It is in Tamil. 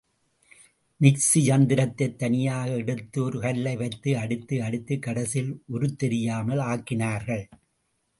மிக்ஸி யந்திரத்தை தனியாக எடுத்து, ஒரு கல்லை வைத்து அடித்து அடித்து கடைசியில் உருத்தெரியாமல் ஆக்கினார்கள்.